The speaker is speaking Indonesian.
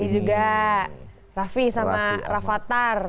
ini juga raffi sama rafathar